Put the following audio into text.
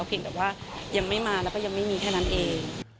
เพียงแต่ว่ายังไม่มาแล้วก็ยังไม่มีแค่นั้นเอง